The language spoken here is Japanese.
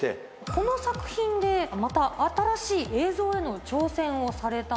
この作品でまた新しい映像への挑戦をされたんです。